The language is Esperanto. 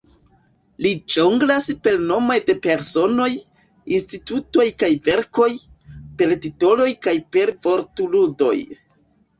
Li ĵonglas per nomoj de personoj, institutoj kaj verkoj, per titoloj kaj per vortludoj.